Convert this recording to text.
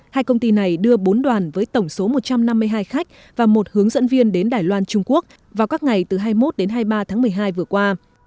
hai công ty này đưa bốn đoàn với tổng số một trăm năm mươi hai khách và một hướng dẫn viên đến đài loan trung quốc vào các ngày từ hai mươi một đến hai mươi ba tháng một mươi hai vừa qua